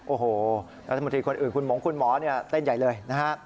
โอ้โฮแล้วสมมติคนอื่นคุณหมงคุณหมอเต้นใหญ่เลย